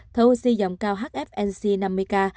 thở oxy dòng cao hfnc năm mươi ca